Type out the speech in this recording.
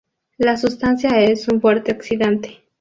La sustancia es un fuerte oxidante.